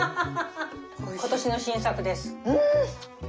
今年の新作です。